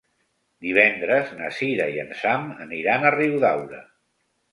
Divendres na Cira i en Sam aniran a Riudaura.